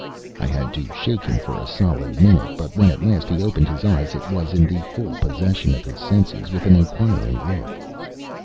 I had to shake him for a solid minute, but when at last he opened his eyes it was in the full possession of his senses, with an inquiring look.